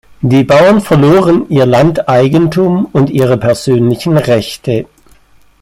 Die Bauern verloren ihr Landeigentum und ihre persönlichen Rechte.